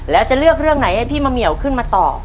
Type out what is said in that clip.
แล้วจะเลือกเรื่องไหนให้พี่มะเหมียวขึ้นมาต่อ